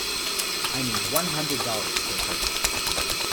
I need one hundred dollars per person.